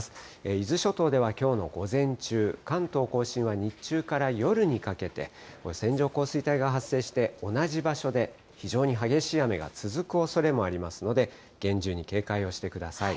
伊豆諸島ではきょうの午前中、関東甲信は日中から夜にかけて、線状降水帯が発生して、同じ場所で非常に激しい雨が続くおそれもありますので、厳重に警戒をしてください。